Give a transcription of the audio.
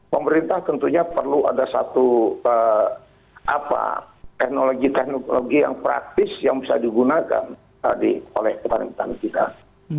pemerintah tentunya perlu ada satu teknologi teknologi yang praktis yang bisa digunakan tadi oleh petani petani kita